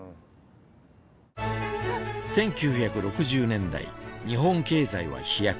１９６０年代日本経済は飛躍。